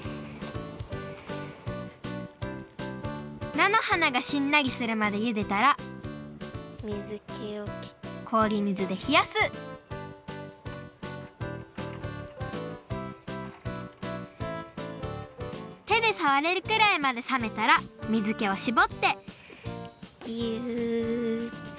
菜の花がしんなりするまでゆでたらこおり水でひやすてでさわれるくらいまでさめたら水けをしぼってぎゅっ。